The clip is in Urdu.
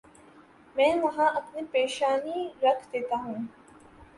میں وہاں اپنی پیشانی رکھ دیتا ہوں۔